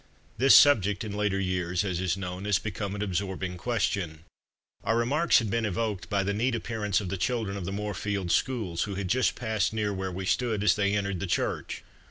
This subject in later years, as is known, has become an absorbing question. Our remarks had been evoked by the neat appearance of the children of the Moorfields Schools, who had just passed near where we stood, as they entered the church.